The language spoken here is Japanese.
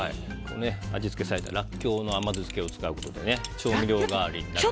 味付けされたラッキョウの甘酢漬けを使うことで調味料代わりになりますので。